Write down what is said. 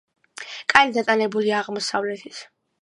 კარი დატანებულია აღმოსავლეთით.